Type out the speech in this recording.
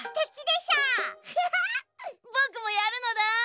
ぼくもやるのだ。